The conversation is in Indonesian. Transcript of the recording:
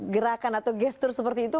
gerakan atau gestur seperti itu